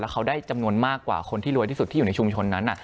เขาได้จำนวนมากกว่าคนที่รวยที่สุดที่อยู่ในชุมชนนั้น